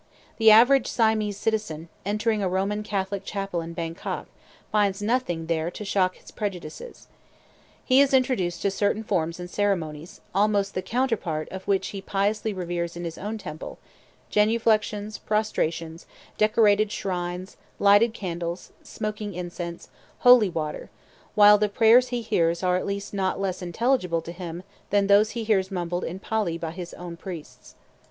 The average Siamese citizen, entering a Roman Catholic chapel in Bangkok, finds nothing there to shock his prejudices. He is introduced to certain forms and ceremonies, almost the counterpart of which he piously reveres in his own temple, genuflections, prostrations, decorated shrines, lighted candles, smoking incense, holy water; while the prayers he hears are at least not less intelligible to him than those he hears mumbled in Pali by his own priests.